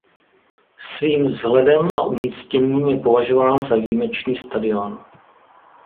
Svým vzhledem a umístěním je považován za výjimečný stadion.